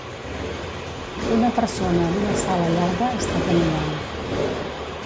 Una persona en una sala llarga està caminant